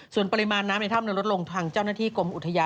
ส่วนปริมาณน้ำในถ้ำนั้นลดลงทางเจ้าหน้าที่กรมอุทยาน